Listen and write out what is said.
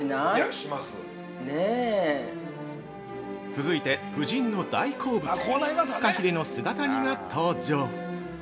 ◆続いて夫人の大好物フカヒレの姿煮が登場！